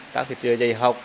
các thị trường dạy học